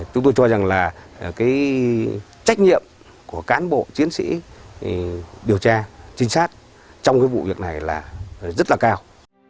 chúng tôi cho rằng là cái trách nhiệm của cán bộ chiến sĩ điều tra trinh sát trong cái vụ việc này là rất là cao